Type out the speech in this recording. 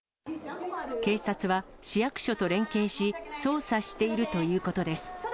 警察は、市役所と連携し、捜査しているということです。